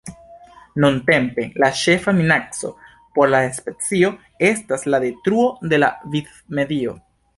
Nuntempe, la ĉefa minaco por la specio estas la detruo de la vivmedio.